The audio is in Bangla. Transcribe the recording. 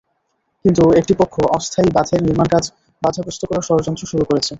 কিন্তু একটি পক্ষ অস্থায়ী বাঁধের নির্মাণকাজ বাধাগ্রস্ত করার ষড়যন্ত্র শুরু করেছে।